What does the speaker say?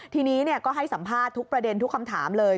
ทีนี้ก็ให้สัมภาษณ์ทุกประเด็นทุกคำถามเลย